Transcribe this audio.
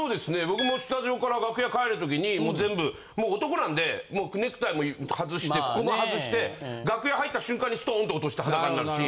僕もスタジオから楽屋帰る時にもう全部もう男なんでもうネクタイも外してここも外して楽屋入った瞬間にストーンと落として裸になるんです。